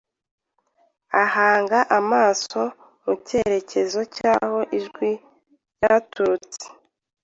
ahanga amaso mu cyerekezo cy’aho ijwi ryaturutse